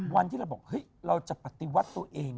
วันที่เราบอกเฮ้ยเราจะปฏิวัติตัวเอง